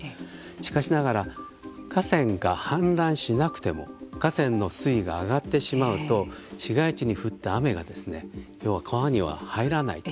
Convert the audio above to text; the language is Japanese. しかしながら河川が氾濫しなくても河川の水位が上がってしまうと市街地に降った雨が要は川には入らないと。